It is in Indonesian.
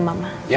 lupa lupa lupa